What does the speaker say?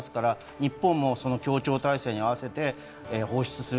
日本も、その協調体制に合わせて放出する。